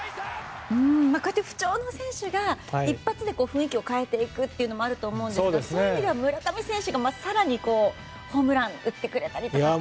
不調の選手が一発で雰囲気を変えていくってのもあると思いますがそういう意味では、村上選手が更にホームランを打ってくれたりとかね。